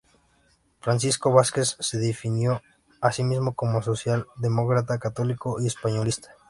Francisco Vázquez se definió a sí mismo como "socialdemócrata, católico y españolista".